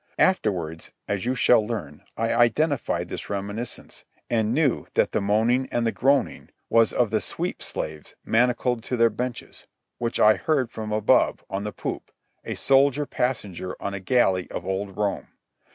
Afterwards, as you shall learn, I identified this reminiscence and knew that the moaning and the groaning was of the sweep slaves manacled to their benches, which I heard from above, on the poop, a soldier passenger on a galley of old Rome.